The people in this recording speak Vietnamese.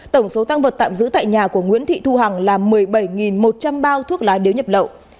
tổng số tăng vật tạm giữ tại nhà của nguyễn thị thu hằng là một mươi bảy một trăm linh bao thuốc lá điếu nhập lậu